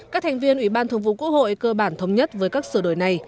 các thành viên ủy ban thường vụ quốc hội cơ bản thống nhất với các sửa đổi này